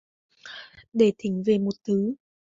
Để thỉnh về một thứ